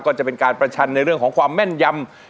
จะเป็นการประชันในเรื่องของความแม่นยำ